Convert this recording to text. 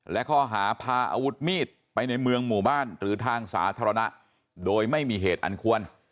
และข้อหาพาอาวุธมีดไปในเมืองหมู่บ้านหรือทางสาธารณะโดยไม่มีเหตุอันควร